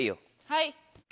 はい。